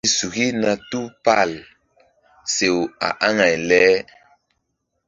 Iri suki na tupal sew a aŋay le.